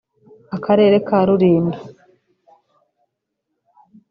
akarere ka Rulindo